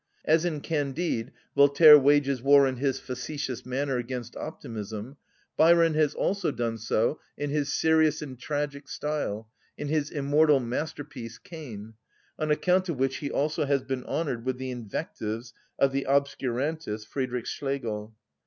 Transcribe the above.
As in "Candide" Voltaire wages war in his facetious manner against optimism, Byron has also done so in his serious and tragic style, in his immortal masterpiece, "Cain," on account of which he also has been honoured with the invectives of the obscurantist, Friedrich Schlegel.